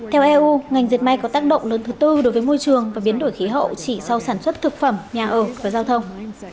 theo eu ngành diệt may có tác động lớn thứ tư đối với môi trường và biến đổi khí hậu chỉ sau sản xuất thực phẩm nhà ở và giao thông